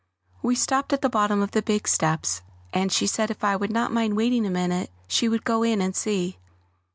We stopped at the bottom of the big steps, and she said if I would not mind waiting a minute she would go in and see.